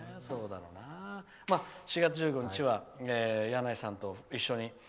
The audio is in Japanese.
４月１５日は箭内さんと一緒に。